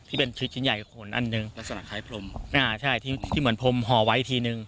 ที่เป็นทริปชิ้นใหญ่ขนอันหนึ่งลักษณะคล้ายพรมอ่าใช่ที่เหมือนพรมห่อไว้ทีนึง